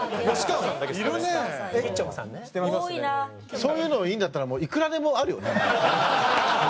そういうのいいんだったらもういくらでもあるよね。